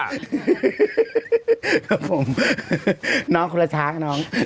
ครับผมน้องคุณละท้าครับน้อง